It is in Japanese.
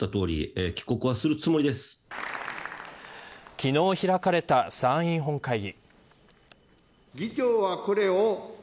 昨日開かれた参院本会議。